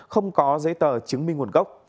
không có giấy tờ chứng minh nguồn gốc